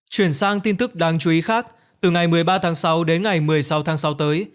chuyển sang tin tức đáng chú ý khác từ ngày một mươi ba tháng sáu đến ngày một mươi sáu tháng sáu tới